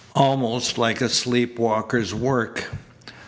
"Almost like a sleep walker's work."